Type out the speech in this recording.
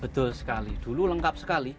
betul sekali dulu lengkap sekali